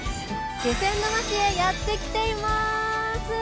気仙沼市へやってきています。